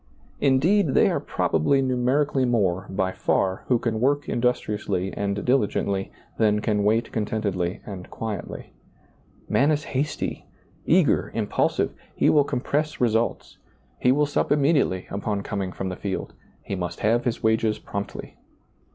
Indeed, they are probably numerically more, by far, who can work industriously and diligently than can wait contentedly and quietly. Man is hasty, eager, impulsive ; he will compress ^oiizccbv Google THE UNPROFITABLE SERVANT 69 results; he will sup immediately upon coming from the field ; he must have his wages promptly.